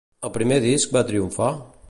El seu primer disc va triomfar?